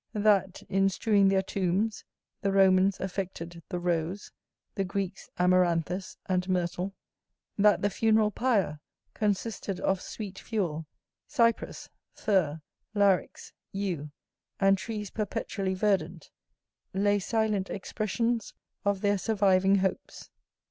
That, in strewing their tombs, the Romans affected the rose; the Greeks amaranthus and myrtle: that the funeral pyre consisted of sweet fuel, cypress, fir, larix, yew, and trees perpetually verdant, lay silent expressions of their surviving hopes.